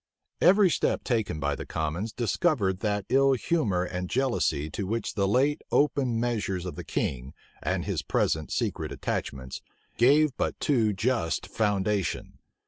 } Every step taken by the commons discovered that ill humor and jealousy to which the late open measures of the king, and his present secret attachments, gave but too just foundation.